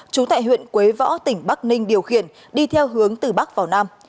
chú tại huyện quế võ tỉnh bắc ninh điều khiển đi theo hướng từ bắc vào nam